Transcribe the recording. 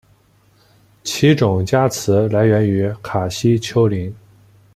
其种加词来源于卡西丘陵。